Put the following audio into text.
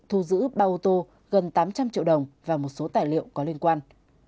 thu giữ ba ô tô gần tám trăm linh triệu đồng và một số tài liệu có liên quan